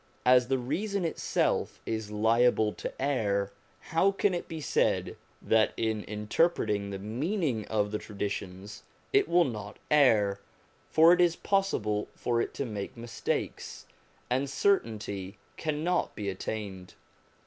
As the reason itself is liable to err, how can it be said that in inter MISCELLANEOUS SUBJECTS 337 preting the meaning of the traditions it will not err, for it is possible for it to make mistakes, and certainty cannot be attained.